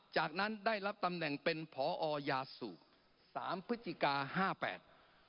จากนั้นได้รับตำแหน่งเป็นผอยาสูบสามพฤศจิกาห้าแปด